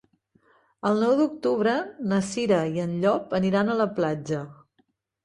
El nou d'octubre na Cira i en Llop aniran a la platja.